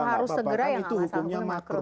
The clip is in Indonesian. harus segera yang alasan itu hukumnya makruh